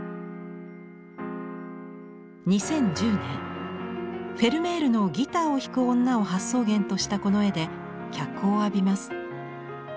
２０１０年フェルメールのギターを弾く女を発想源としたこの絵で脚光を浴びます。